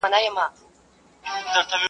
هغه آش، هغه کاسه.